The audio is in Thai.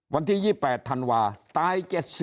วันที่๒๘ธันวาตาย๗๐